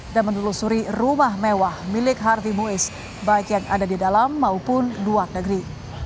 dan menelusuri rumah mewah milik harvey mois baik yang ada di dalam maupun luar negeri